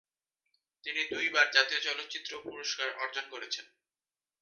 তিনি দুইবার জাতীয় চলচ্চিত্র পুরস্কার অর্জন করেছেন।